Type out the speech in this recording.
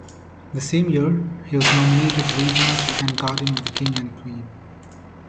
The same year he was nominated Regent and Guardian of the King and Queen.